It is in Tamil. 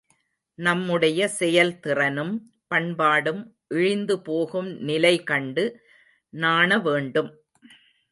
நம்முடைய செயல் திறனும் பண்பாடும் இழிந்து போகும் நிலை கண்டு நாணவேண்டும்.